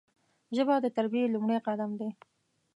ژبه د تربیې لومړی قدم دی